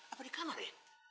apa di kamar ya